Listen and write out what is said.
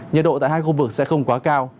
nhiệt độ tại hai khu vực sẽ không quá cao